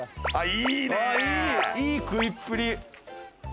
いい食いっぷり。